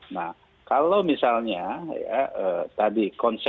nah kalau misalnya ya tadi